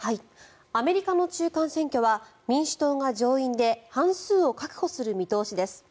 アメリカの中間選挙は民主党が上院で半数を確保する見通しです。